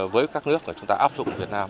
với các nước chúng ta áp dụng việt nam